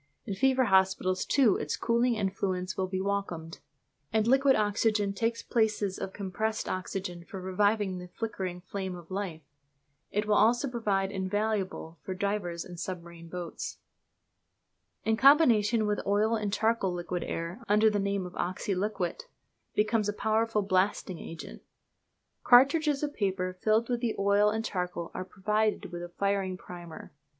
In fever hospitals, too, its cooling influence will be welcomed; and liquid oxygen takes the places of compressed oxygen for reviving the flickering flame of life. It will also prove invaluable for divers and submarine boats. In combination with oil and charcoal liquid air, under the name of "oxyliquit," becomes a powerful blasting agent. Cartridges of paper filled with the oil and charcoal are provided with a firing primer.